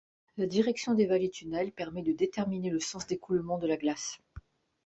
La direction des vallées tunnels permet de déterminer le sens d'écoulement de la glace.